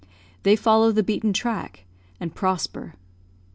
They follow the beaten track and prosper.